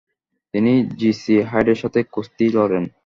তিনি G C হাইডের সাথে কুস্তি লড়েন।